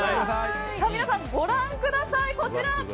皆さん、ご覧ください、こちら！